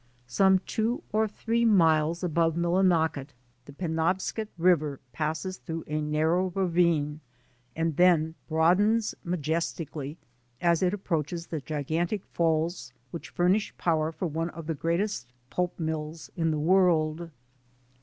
Some two or three miles above Millinocket the Penobscot River passes through a narrow ravine and then broadens ma jestically as it approaches the gigantic falls which furnish power for one of the greatest pulp mills in the world.